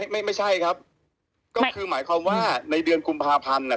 ไม่ใช่ครับก็คือหมายความว่าในเดือนกุมภาพันธ์เนี่ย